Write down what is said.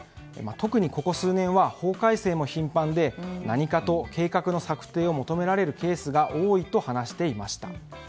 特にここ数年は法改正も頻繁で何かと計画の策定を求められるケースが多いと話していました。